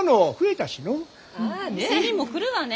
店にも来るわね。